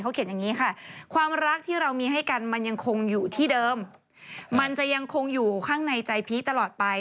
เขาเขียนอย่างนี้ค่ะความรักที่เรามีให้กันมันยังคงอยู่ที่เดิมมันจะยังคงอยู่ข้างในใจพีชตลอดไป